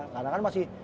karena kan masih